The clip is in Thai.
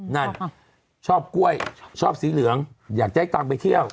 นั่นชอบกล้วยชอบสีเหลืองอยากจะให้ตังค์ไปเที่ยว